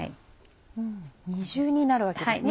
二重になるわけですね